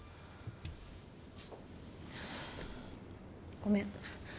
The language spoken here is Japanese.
ごめん。